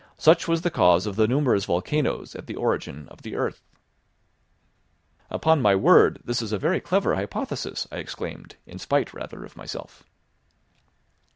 Such was the cause of the numerous volcanoes at the origin of the earth." "Upon my word, this is a very clever hypothesis," I exclaimed, in spite rather of myself.